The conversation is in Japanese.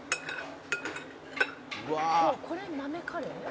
「これ豆カレー？」